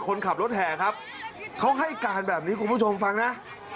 คนขับรถแห่ครับเขาให้การแบบนี้คุณผู้ชมฟังนะ